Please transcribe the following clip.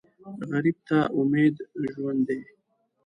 غریب ته امید ژوند دی